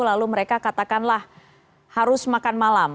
lalu mereka katakanlah harus makan malam